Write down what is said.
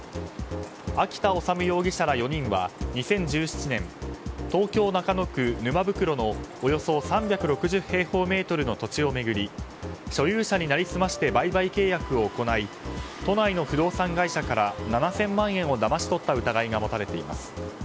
秋田修容疑者ら４人は２０１７年東京・中野区沼袋のおよそ３６０平方メートルの土地を巡り所有者に成り済まして売買契約を行い都内の不動産会社から７０００万円をだまし取った疑いが持たれています。